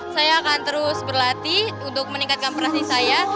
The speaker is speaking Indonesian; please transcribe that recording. saya akan terus berlatih untuk meningkatkan prestasi saya